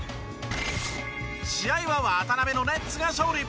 試合は渡邊のネッツが勝利。